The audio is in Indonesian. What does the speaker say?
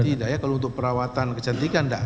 tidak ya kalau untuk perawatan kecantikan tidak